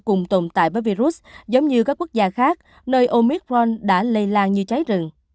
cùng tồn tại với virus giống như các quốc gia khác nơi omicron đã lây lan như cháy rừng